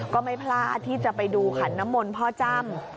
ก็ไม่พลาดที่จะไปดูขันน้ำมนต์พ่อจ้ำ